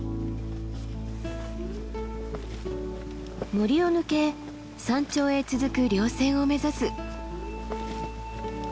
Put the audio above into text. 森を抜け山頂へ続く稜線を目指す。